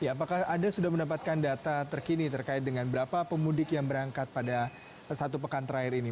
apakah anda sudah mendapatkan data terkini terkait dengan berapa pemudik yang berangkat pada satu pekan terakhir ini